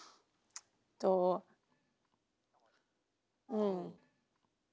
うん。